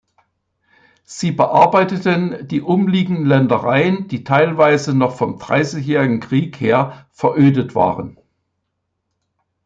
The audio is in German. Sie bearbeiteten die umliegenden Ländereien, die teilweise noch vom Dreißigjährigen Krieg her verödet waren.